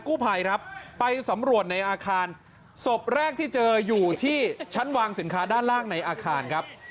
กู้ภัยครับไปสำรวจในอาคารศพแรกที่เจออยู่ที่ชั้นวางสินค้าด้านล่างในอาคารครับ